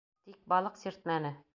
Тик балыҡ сиртмәне.